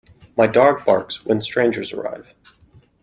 My dog barks when strangers arrive.